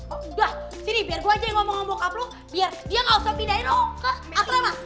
oh udah sini biar gue aja yang ngomongin bokap lo biar dia nggak usah pindahin lo ke asrama